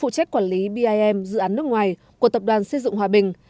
giải pháp bim dự án nước ngoài của tập đoàn xây dựng hòa bình